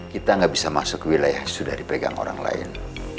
kita gak bisa masuk wilayah sudah dipegang orang lain